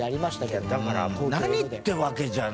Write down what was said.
いやだから何ってわけじゃない。